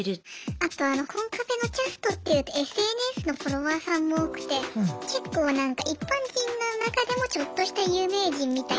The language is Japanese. あとコンカフェのキャストっていうとＳＮＳのフォロワーさんも多くて結構なんか一般人の中でもちょっとした有名人みたいなイメージで。